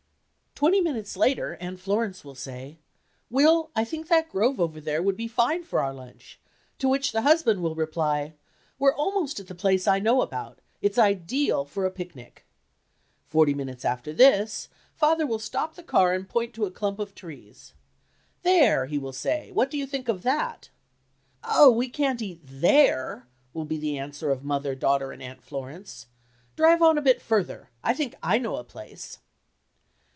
Twenty minutes later Aunt Florence will say, "Will, I think that grove over there would be fine for our lunch," to which the husband will reply, "We're almost at the place I know about—it's ideal for a picnic." Forty minutes after this, father will stop the car and point to a clump of trees. "There," he will say, "what do you think of that?" "Oh, we can't eat there!" will be the answer of mother, daughter and Aunt Florence. "Drive on a bit further—I think I know a place."